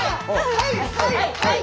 はいはいはい！